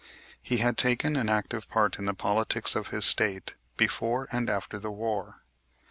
He had taken an active part in the politics of his state before and after the War.